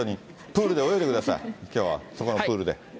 プールで泳いでください、きょうは、そこのプールで。